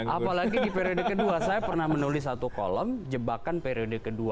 apalagi di periode ke dua saya pernah menulis satu kolom jebakan periode ke dua